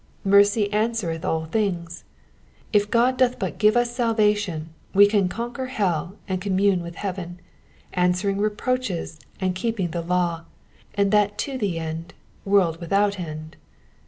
Mercy answereth all things. If God doth but give us salva tion we can conquer hell and commune with heaven, answering reproaches and keeping the law, and that to the end, world without end.